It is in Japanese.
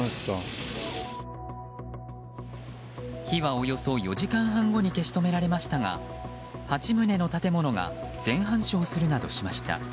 火はおよそ４時間半後に消し止められましたが８棟の建物が全半焼するなどしました。